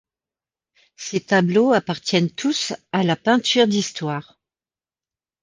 Ses tableaux appartiennent tous à la peinture d’Histoire.